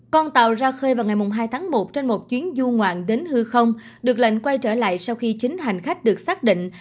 con tàu ra khơi vào ngày hai tháng một trên một chuyến du ngoạn đến hư không được lệnh quay trở lại sau khi chín hành khách được xác định